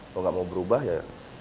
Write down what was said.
kalau nggak mau berubah ya